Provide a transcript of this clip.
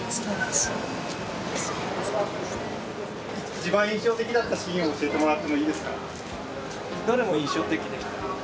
一番印象的だったシーン教えてもらってもいいですか？